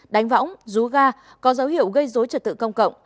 đánh võng rú ga có dấu hiệu gây dối trật tự công cộng